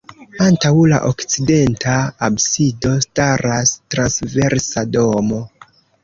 Antaŭ la okcidenta absido staras transversa domo.